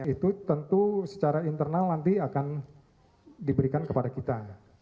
itu tentu secara internal nanti akan diberikan kepada kita